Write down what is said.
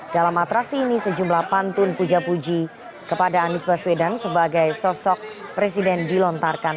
dalam atraksi ini sejumlah pantun puja puji kepada anies baswedan sebagai sosok presiden dilontarkan